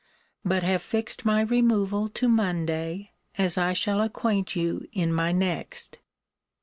But have fixed my removal to Monday, as I shall acquaint you in my next.